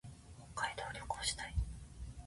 北海道旅行したい。